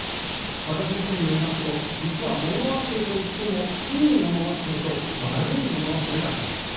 和田先生によりますと実は、もの忘れといってもいいもの忘れと悪いもの忘れがあります。